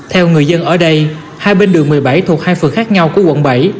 theo người dân ở đây hai bên đường một mươi bảy thuộc hai phường khác nhau của quận bảy